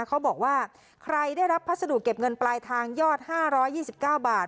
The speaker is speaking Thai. เขาบอกว่าใครได้รับพัสดุเก็บเงินปลายทางยอด๕๒๙บาท